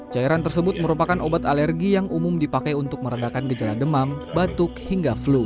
cairan tersebut merupakan obat alergi yang umum dipakai untuk meredakan cairan